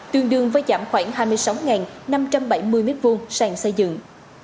tương đương với giảm khoảng hai mươi sáu năm trăm bảy mươi m hai sàng xây dựng